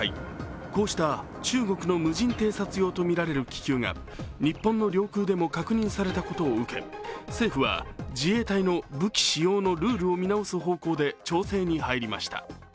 こうした中国の無人偵察用とみられる気球が日本の領空でも確認されたことを受け、政府は自衛隊の武器使用のルールを見直す方向で調整に入りました。